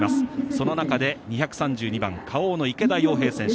その中で、２３２番Ｋａｏの池田耀平選手